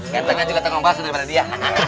ketengnya juga tengkong baso daripada dia